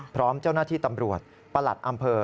พร้อมเจ้าหน้าที่ตำรวจประหลัดอำเภอ